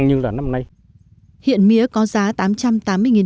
nên nhiều hộ đã kết thúc